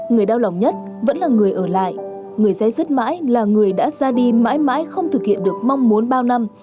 người đau lòng nhất vẫn là người ở lại người dân rất mãi là người đã ra đi mãi mãi không thực hiện được mong muốn bao năm